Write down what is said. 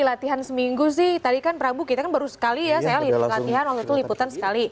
latihan seminggu sih tadi kan prabu kita kan baru sekali ya saya latihan waktu itu liputan sekali